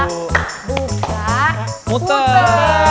dua buka putar